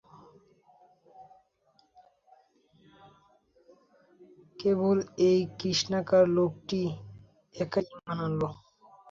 কেবল ঐ কৃষ্ণকায় লোকটি একাই ঈমান আনল।